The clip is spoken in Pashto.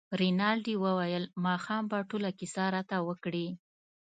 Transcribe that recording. رینالډي وویل ماښام به ټوله کیسه راته وکړې.